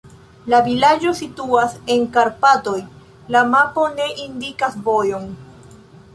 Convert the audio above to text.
La vilaĝo situas en Karpatoj, la mapo ne indikas vojon.